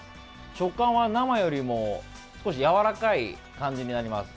食感は、生よりも少しやわらかい感じになります。